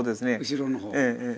後ろの方。